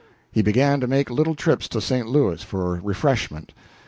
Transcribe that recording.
He began to make little trips to St. Louis for refreshment.